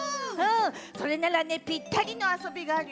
それならねぴったりのあそびがあるよ。